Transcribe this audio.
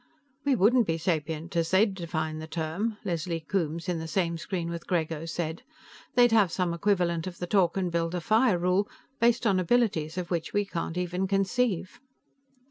"We wouldn't be sapient, as they'd define the term," Leslie Coombes, in the same screen with Grego, said. "They'd have some equivalent of the talk and build a fire rule, based on abilities of which we can't even conceive."